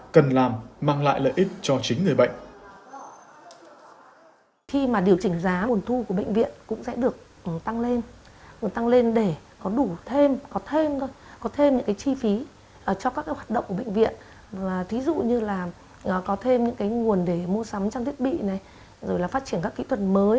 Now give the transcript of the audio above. cần làm mang lại lợi ích cho chính người bệnh